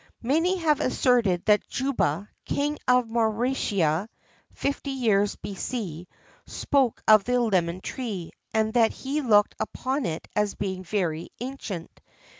Many have asserted that Juba, King of Mauritania (50 years B.C.), spoke of the lemon tree, and that he looked upon it as being very ancient.